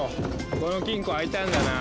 この金庫開いたんだな！